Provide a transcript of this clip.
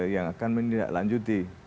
yang akan menilai lanjuti